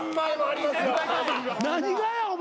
何がやお前。